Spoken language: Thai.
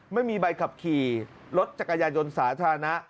ไม่มีใบขับขี่รถจักรยายนต์สาธารณะ